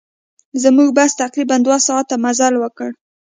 زموږ بس تقریباً دوه ساعته مزل وکړ.